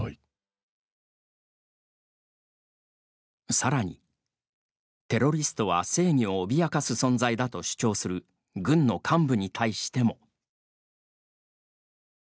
さらに、「テロリストは正義を脅かす存在だ」と主張する軍の幹部に対しても。